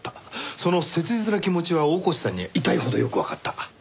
その切実な気持ちは大河内さんには痛いほどよくわかった。